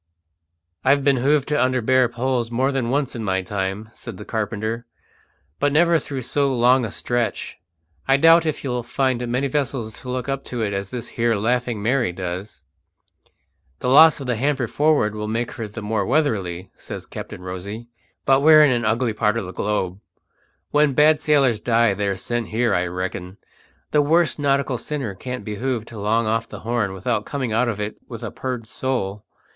"I've been hove to under bare poles more than once in my time," said the carpenter, "but never through so long a stretch. I doubt if you'll find many vessels to look up to it as this here Laughing Mary does." "The loss of hamper forward will make her the more weatherly," says Captain Rosy. "But we're in an ugly part of the globe. When bad sailors die they're sent here, I reckon. The worst nautical sinner can't be hove to long off the Horn without coming out of it with a purged soul.